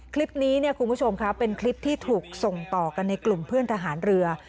คลิปนี้เนี่ยคุณผู้ชมค่ะเป็นคลิปที่ถูกส่งต่อกันในกลุ่มเพื่อนทหารเรือ